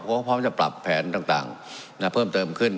ก็พร้อมจะปรับแผนต่างเพิ่มเติมขึ้น